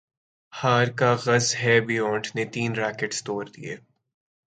ہارکاغصہبیئونٹ نے تین ریکٹس توڑ دیئے